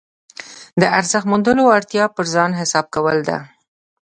د ارزښت موندلو اړتیا پر ځان حساب کول ده.